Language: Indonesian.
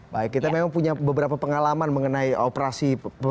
baik kita memang punya beberapa pengalaman mengenai operasi